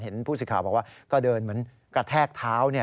ผู้สื่อข่าวบอกว่าก็เดินเหมือนกระแทกเท้า